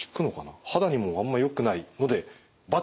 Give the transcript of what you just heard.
肌にもあんまよくないので×。